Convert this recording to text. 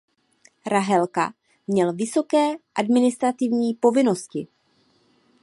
Raherka měl vysoké administrativní povinnosti.